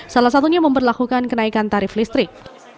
salah satunya memperlakukan kenaikan tarif listrik